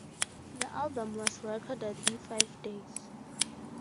The album was recorded in five days.